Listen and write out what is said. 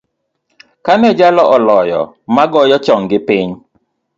Kane jalo oloyo, magoyo chonggi piny.